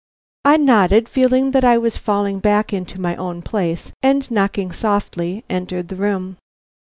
I nodded, feeling that I was falling back into my own place; and knocking softly entered the room.